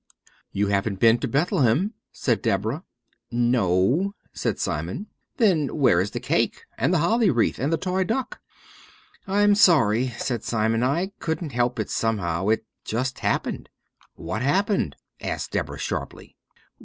"You haven't been to Bethlehem," said Deborah. "No," said Simon. "Then, where is the cake, and the holly wreath, and the toy duck?" "I'm sorry," said Simon, "I couldn't help it somehow. It just happened." "What happened?" asked Deborah sharply.